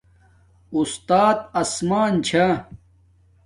اُستات آسمان چھا